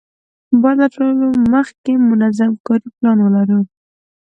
باید له ټولو مخکې منظم کاري پلان ولرو.